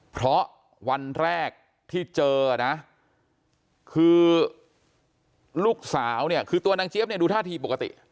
เพราะวันแรกที่เจอนะคือลูกสาวเนี่ยคือตัวนางเจี๊ยบเนี่ยดูท่าทีปกติ